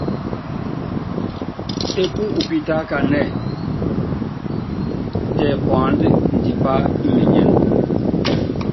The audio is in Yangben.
Epú upítákanɛ́, tɛ puanda ndipá imenyen.